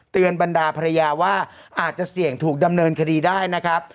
บรรดาภรรยาว่าอาจจะเสี่ยงถูกดำเนินคดีได้นะครับ